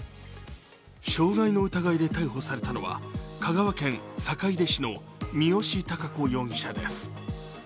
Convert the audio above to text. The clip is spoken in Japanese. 傷害の疑いで逮捕されたのは香川県坂出市の三好貴子容疑者です。